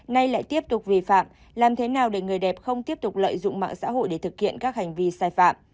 nay lại tiếp tục vi phạm làm thế nào để người đẹp không tiếp tục lợi dụng mạng xã hội để thực hiện các hành vi sai phạm